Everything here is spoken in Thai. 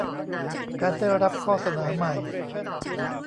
การได้รับข้อเสนอใหม่